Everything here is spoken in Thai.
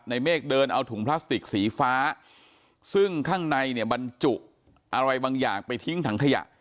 เมฆเดินเอาถุงพลาสติกสีฟ้าซึ่งข้างในเนี่ยบรรจุอะไรบางอย่างไปทิ้งถังขยะ